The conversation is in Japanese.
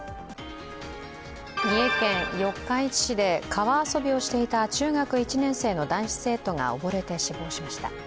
三重県四日市市で川遊びをしていた中学１年生の男子生徒が溺れて死亡しました。